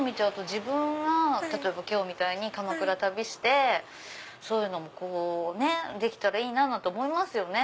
自分が例えば今日みたいに鎌倉旅してそういうのもできたらいいなぁなんて思いますよね。